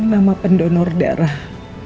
nama pendonor darah